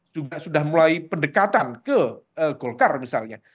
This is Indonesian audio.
juga sudah mulai pendekatan ke golkar misalnya